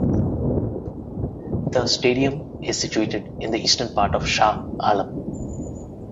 The stadium is situated in the eastern part of Shah Alam.